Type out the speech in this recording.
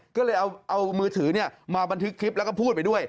ก็เลยเอามือถือมาบันทึกคลิปแล้วก็พูดไปด้วย